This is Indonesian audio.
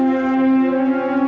ya ampun tep